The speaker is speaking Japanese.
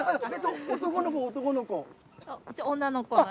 男の子、男の子。